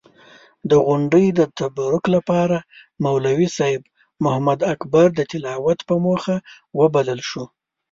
د غونډې د تبرک لپاره مولوي صېب محمداکبر د تلاوت پۀ موخه وبلل شو.